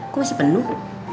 kok masih penuh